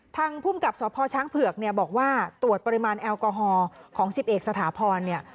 ทางภูมิกับสพช้างเผือกเนี่ยบอกว่าตรวจปริมาณแอลกอฮอล์ของ๑๑สถาพรเนี่ย